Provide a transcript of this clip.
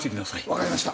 分かりました。